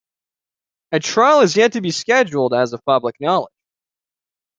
A trial is yet to be scheduled, as of public knowledge.